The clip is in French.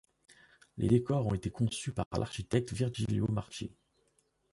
Les décors ont été conçus par l'architecte Virgilio Marchi.